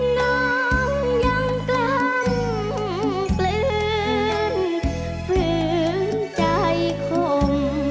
น้องยังกล้ำปลื้นฝืนใจข่ม